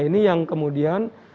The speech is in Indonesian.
ini yang kemudian